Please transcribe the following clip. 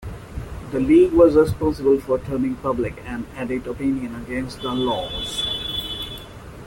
The League was responsible for turning public and elite opinion against the laws.